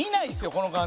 この感じ。